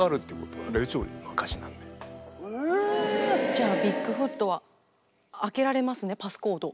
じゃあビッグフットは開けられますねパスコード。